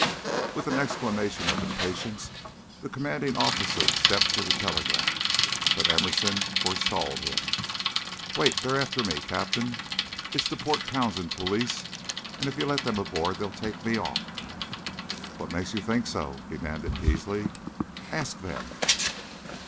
With an exclamation of impatience, the commanding officer stepped to the telegraph, but Emerson forestalled him. "Wait, they're after me, Captain; it's the Port Townsend police, and if you let them aboard they'll take me off." "What makes you think so?" demanded Peasley. "Ask them."